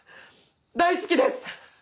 大好きです！